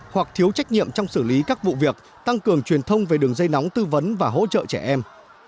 hoặc thiếu trách nhiệm trong xử lý các vụ việc tăng cường truyền thông về đường dây nóng tư vấn và hỗ trợ trẻ em